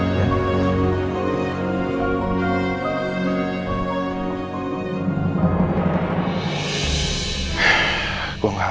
bisa berantakan semuanya